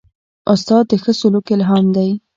استاد د ښه سلوک الهام دی.